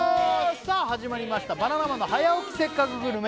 さあ始まりました「バナナマンの早起きせっかくグルメ！！」